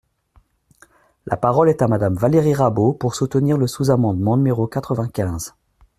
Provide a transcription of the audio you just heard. La parole est à Madame Valérie Rabault, pour soutenir le sous-amendement numéro quatre-vingt-quinze.